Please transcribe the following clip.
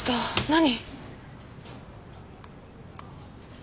何？